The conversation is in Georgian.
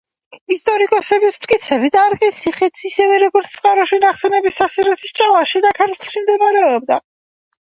ისტორიკოსების მტკიცებით არყის ციხე, ისევე როგორც წყაროში ნახსენები სასირეთის ჭალა, შიდა ქართლში მდებარეობდა.